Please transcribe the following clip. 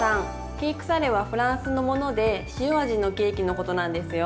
ケークサレはフランスのもので塩味のケーキのことなんですよ。